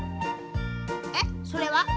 えっそれは？